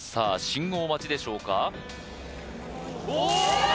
信号待ちでしょうかおおっと！